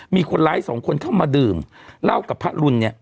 มีคนร้ายสองคนเข้ามาดื่มเหล้ากับพระรุนเนี่ย